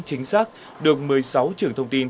chính xác được một mươi sáu trường thông tin